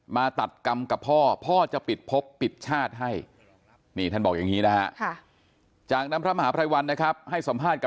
มาตัดกรรมกับพ่อพ่อจะปิดพกปิดชาติให้